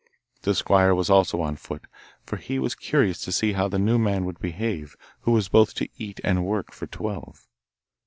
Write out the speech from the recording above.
The squire was also on foot, for he was curious to see how the new man would behave who was both to eat and work for twelve.